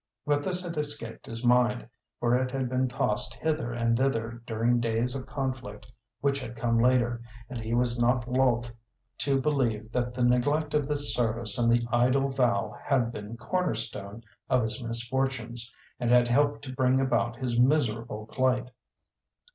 But this had escaped his mind, for it had been tossed hither and thither during days of conflict which had come later, and he was not loth to believe that the neglect of this service and the idle vow had been corner stone of his misfortunes, and had helped to bring about his miserable plight.